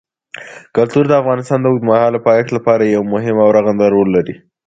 کلتور د افغانستان د اوږدمهاله پایښت لپاره یو مهم او رغنده رول لري.